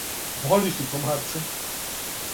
Волиш ли комарце?